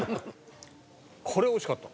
「これ美味しかった」